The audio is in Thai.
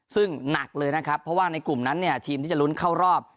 ซึ่งหนักเลยนะครับเพราะว่าในกลุ่มนั้นเนี่ยทีมที่จะลุ้นเข้ารอบ